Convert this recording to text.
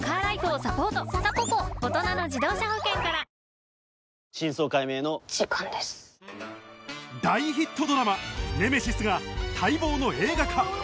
三井不動産大ヒットドラマ『ネメシス』が待望の映画化